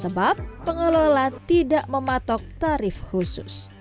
sebab pengelola tidak mematok tarif khusus